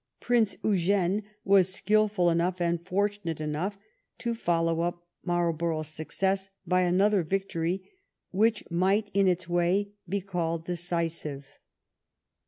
Prince Eugene was skilful enough and fortunate enough to follow up Marlborough^s success by another victory which might in its way be called decisive.